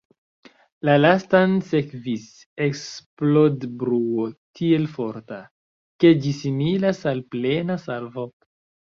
La lastan sekvis eksplodbruo tiel forta, ke ĝi similis al plena salvo.